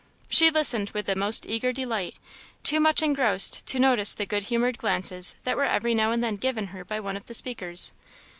She listened with the most eager delight, too much engrossed to notice the good humoured glances that were every now and then given her by one of the speakers.